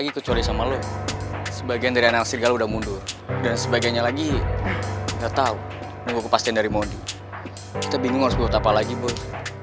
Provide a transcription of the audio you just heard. kita bingung harus buat apa lagi boy